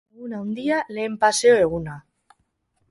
Egun haundia, lehen paseo eguna.